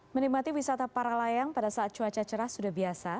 menikmati wisata para layang pada saat cuaca cerah sudah biasa